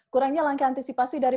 kurangnya langkah antisipasi dari